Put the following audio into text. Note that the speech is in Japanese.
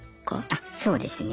あそうですね。